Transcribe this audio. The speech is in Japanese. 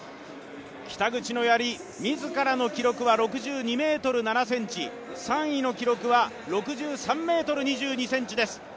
北口のやり、自らの記録は６２ｍ７ｃｍ、３位の記録は６３ｍ２２ｃｍです。